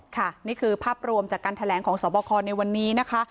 ค่ะนี่คือภาพรวมจากการแถลงของสวบคในวันนี้นะคะ